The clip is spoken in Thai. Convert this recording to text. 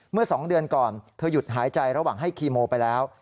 เมื่อ๒เดือนก่อนเธอหยุดหายใจระหว่างให้คีโมไปแล้ว